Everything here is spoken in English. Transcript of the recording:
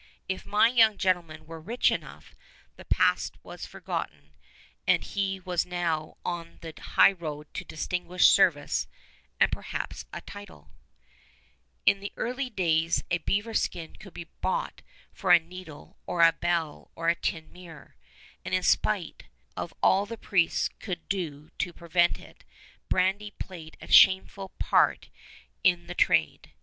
If my young gentleman were rich enough, the past was forgotten, and he was now on the highroad to distinguished service and perhaps a title. [Illustration: LA SALLE'S HOUSE NEAR MONTREAL] In the early days a beaver skin could be bought for a needle or a bell or a tin mirror; and in spite of all the priests could do to prevent it, brandy played a shameful part in the trade.